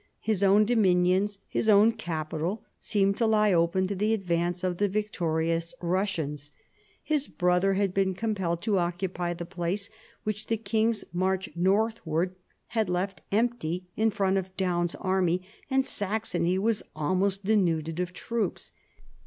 His own dominions, his own capital seemed to lie open to the advance of the victorious Eussians; his brother had been compelled to occupy the place which the king's march northward had left empty in front of Daun's army, and Saxony was almost denuded of troops.